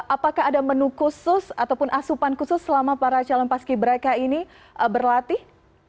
apakah ada menu khusus ataupun asupan khusus selama para calon paski beraka ini berlatih